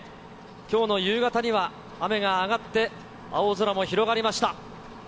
きょうの夕方には、雨が上がって、青空も広がりました。